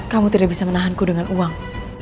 kamu tidak bisa menahanku dengan uang